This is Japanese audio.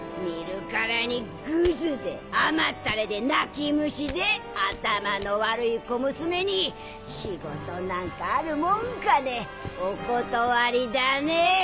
見るからにグズで甘ったれで泣き虫で頭の悪い小娘に仕事なんかあるもんかねお断りだね。